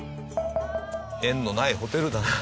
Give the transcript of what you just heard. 縁のないホテルだな。